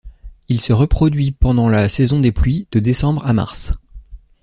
Il se reproduit pendant la saison des pluies de décembre à mars.